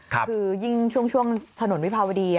คือยิ่งช่วงถนนวิภาวดี